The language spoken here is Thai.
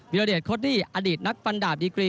รเดชโค้ดดี้อดีตนักฟันดาบดีกรี